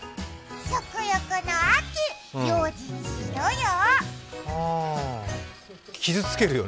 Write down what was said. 食欲の秋、用心しろよ。